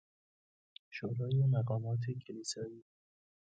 شورای مقامات کلیسایی...